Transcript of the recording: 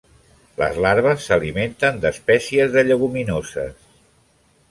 Les larves s'alimenten d'espècies de lleguminoses.